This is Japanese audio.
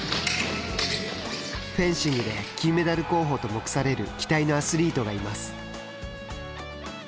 フェンシングで金メダル候補と目される期待のアスリートがいます。